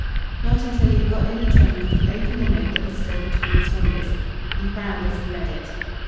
Not until he had got in the train did he open the note that was still between his fingers. He frowned as he read it.